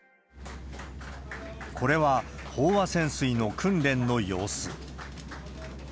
これは、飽和潜水の訓練の様子。